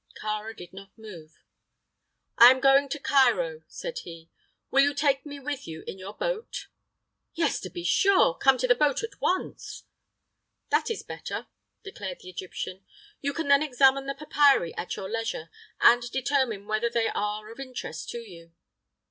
Kāra did not move. "I am going to Cairo," said he. "Will you take me with you in your boat?" "Yes; to be sure. Come to the boat at once." "That is better," declared the Egyptian. "You can then examine the papyri at your leisure and determine whether they are of interest to you."